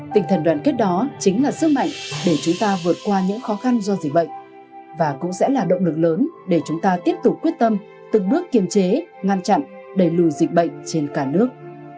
tinh thần đoàn kết đó chính là sức mạnh để chúng ta vượt qua những khó khăn do dịch bệnh và cũng sẽ là động lực lớn để chúng ta tiếp tục quyết tâm từng bước kiềm chế ngăn chặn đẩy lùi dịch bệnh trên cả nước